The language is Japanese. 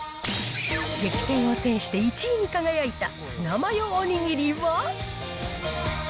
激戦を制して１位に輝いたツナマヨお握りは。